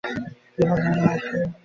বিভা গালে হাত দিয়া একমনে শুনিতে লাগিল।